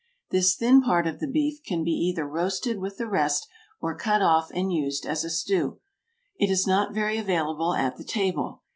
This thin part of the beef can be either roasted with the rest or cut off and used as a stew. It is not very available at the table.